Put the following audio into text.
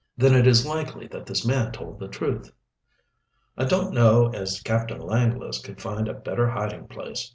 "Then it is likely that this man told the truth?" "I don't know as Captain Langless could find a better hiding place.